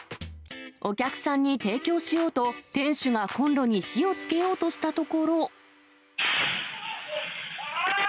お客さんに提供しようと、店主がコンロに火をつけようとしたところ。